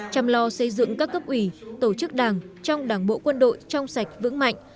chăm lo xây dựng các cấp ủy tổ chức đảng trong đảng bộ quân đội trong sạch vững mạnh